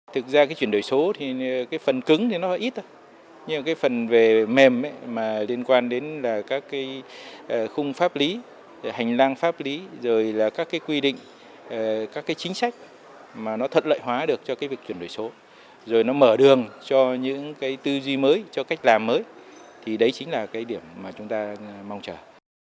thực ra cái chuyển đổi số thì cái phần cứng thì nó ít nhưng cái phần về mềm mà liên quan đến là các cái khung pháp lý hành lang pháp lý rồi là các cái quy định các cái chính sách mà nó thật lợi hóa được cho cái việc chuyển đổi số rồi nó mở đường cho những cái tư duy mới cho cách làm mới thì đấy chính là cái điểm mà chúng ta mong chờ